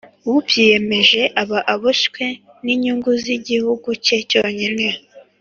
ubyiyemeje aba aboshywe ninyungu iz' i gihugu cye cyonyine.